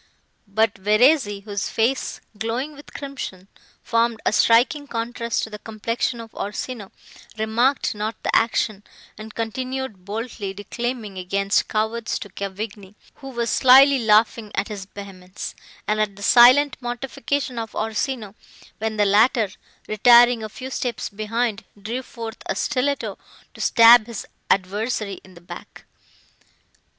But Verezzi, whose face, glowing with crimson, formed a striking contrast to the complexion of Orsino, remarked not the action, and continued boldly declaiming against cowards to Cavigni, who was slily laughing at his vehemence, and at the silent mortification of Orsino, when the latter, retiring a few steps behind, drew forth a stilletto to stab his adversary in the back.